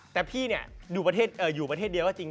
แต่พี่เนี่ยอยู่ประเทศเดียวว่าจริง